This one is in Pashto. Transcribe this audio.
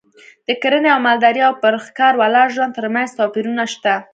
د کرنې او مالدارۍ او پر ښکار ولاړ ژوند ترمنځ توپیرونه شته